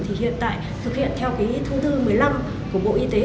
thì hiện tại thực hiện theo thông thư một mươi năm của bộ y tế